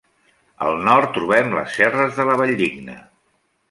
Al nord trobem les serres de la Valldigna.